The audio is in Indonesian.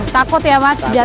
takut ya mas jatuh